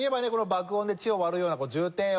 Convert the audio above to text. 爆音で地を割るような重低音。